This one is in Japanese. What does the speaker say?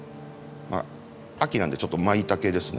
秋なんでちょっとマイタケですね。